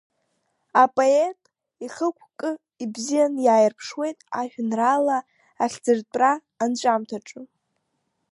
Апоет ихықәкы бзианы иааиарԥшуеит ажәеинраала ахьӡыртәра анҵәамҭаҿы.